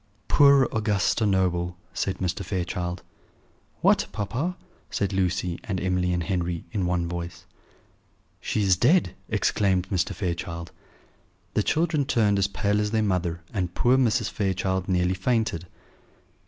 "Poor Augusta Noble!" said Mr. Fairchild. "What, papa?" said Lucy and Emily and Henry, in one voice. "She is dead!" exclaimed Mr. Fairchild. The children turned as pale as their mother; and poor Mrs. Fairchild nearly fainted.